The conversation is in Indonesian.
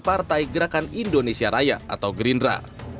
partai gerakan indonesia raya atau gerindra